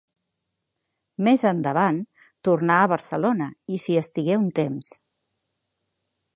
Més endavant tornà a Barcelona i s'hi estigué un temps.